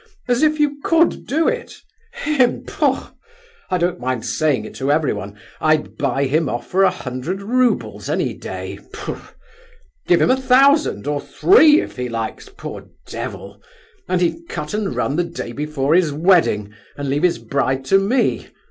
_ As if you could do it!—him—pooh! I don't mind saying it to everyone—I'd buy him off for a hundred roubles, any day pfu! Give him a thousand, or three if he likes, poor devil, and he'd cut and run the day before his wedding, and leave his bride to me!